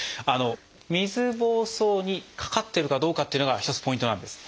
水ぼうそうにかかってるかどうかっていうのが一つポイントなんです。